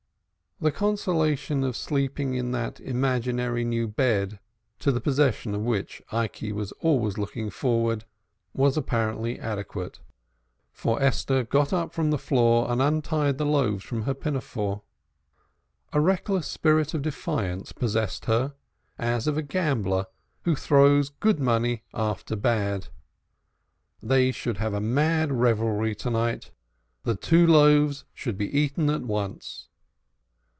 The consolation of sleeping in that imaginary new bed to the possession of which Ikey was always looking forward was apparently adequate; for Esther got up from the floor and untied the loaves from her pinafore. A reckless spirit of defiance possessed her, as of a gambler who throws good money after bad. They should have a mad revelry to night the two loaves should be eaten at once.